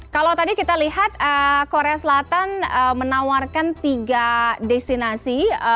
kalau tadi kita lihat korea selatan menawarkan tiga destinasi